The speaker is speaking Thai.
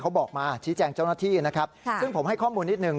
เขาบอกมาชี้แจงเจ้าหน้าที่นะครับซึ่งผมให้ข้อมูลนิดนึ